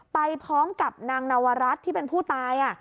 ไปพร้อมกับนางนวรัฐที่เป็นผู้ตาย